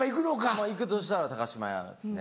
まぁ行くとしたら島屋ですね。